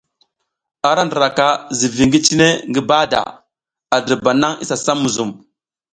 A ra diraka zivi ngi cine ngi bahada, a dirba nang isa sam muzum.